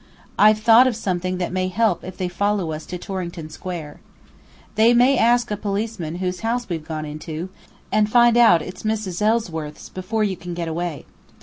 I've thought of something that may help if they follow us to Torrington Square. They may ask a policeman whose house we've gone into, and find out it's Mrs. Ellsworth's, before you can get away.